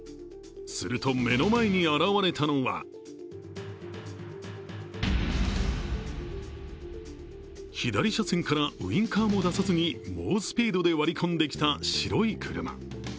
すると目の前にあらわれたのは左車線からウインカーも出さずに猛スピードで割り込んできた白い車。